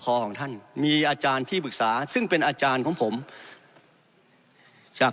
ของท่านมีอาจารย์ที่ปรึกษาซึ่งเป็นอาจารย์ของผมจาก